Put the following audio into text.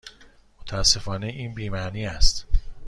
متاسفانه این بی معنی است.